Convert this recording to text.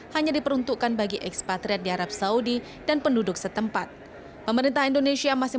hanya diperuntukkan bagi ekspatriat di arab saudi dan penduduk setempat pemerintah indonesia masih